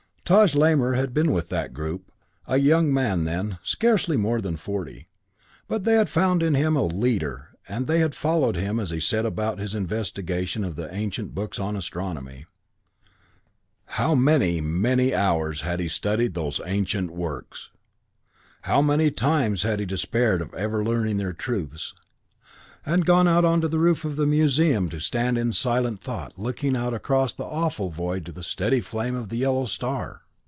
Taj Lamor had been with that group, a young man then, scarcely more than forty, but they had found him a leader and they had followed him as he set about his investigation of the ancient books on astronomy. How many, many hours had he studied those ancient works! How many times had he despaired of ever learning their truths, and gone out to the roof of the museum to stand in silent thought looking out across the awful void to the steady flame of the yellow star!